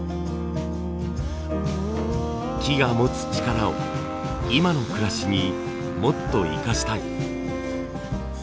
木が持つ力を今の暮らしにもっと生かしたい。